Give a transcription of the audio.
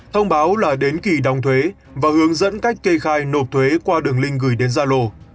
thông báo là đến kỳ đóng thuế và hướng dẫn cách kê khai nộp thuế qua đường link gửi đến zalo